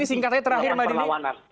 singkatnya terakhir mbak dini